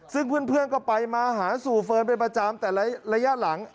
ซึ่งเพื่อนก็ไปมาหาสู่เฟิร์นเป็นประจำแต่ระยะหลัง